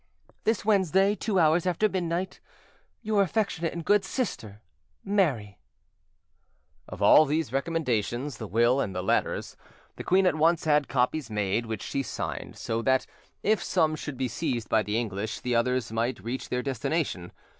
"This Wednesday, two hours after midnight—Your affectionate and good sister, "MARY, R...." Of all these recommendations, the will and the letters, the queen at once had copies made which she signed, so that, if some should be seized by the English, the others might reach their destination.